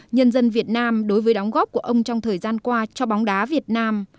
nhân dân việt nam đối với đóng góp của ông trong thời gian qua cho bóng đá việt nam